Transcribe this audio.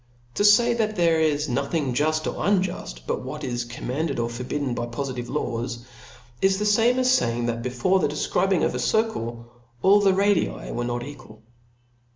To fay that there is nothing juft or p, ^• unjuft but what is commanded or forbidden by po lidve laws, is the fame as faying, that before the defcribing of a circle all the radii were not equal.